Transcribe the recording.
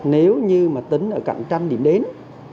nếu như mà tính ở cạnh tranh điểm đến